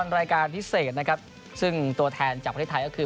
รายการพิเศษนะครับซึ่งตัวแทนจากประเทศไทยก็คือ